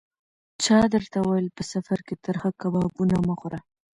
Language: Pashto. چا درته ویل: په سفر کې ترخه کبابونه مه خوره.